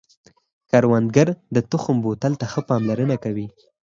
کروندګر د تخم بوتل ته ښه پاملرنه کوي